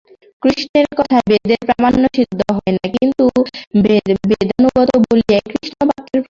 কৃষ্ণের কথায় বেদের প্রামাণ্য সিদ্ধ হয় না, কিন্তু বেদানুগত বলিয়াই কৃষ্ণবাক্যের প্রামাণ্য।